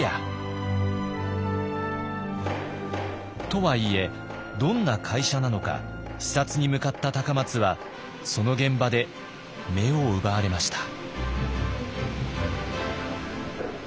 とはいえどんな会社なのか視察に向かった松はその現場で目を奪われました。